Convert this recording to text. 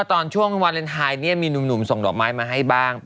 ตอนช่วงวาเลนไทยมีหนุ่มส่งดอกไม้มาให้บ้าง